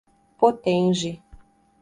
Potengi